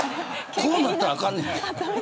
こうなったら、あかんねん。